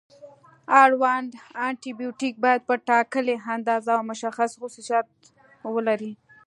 اړونده انټي بیوټیک باید په ټاکلې اندازه او مشخص خصوصیاتو ولري.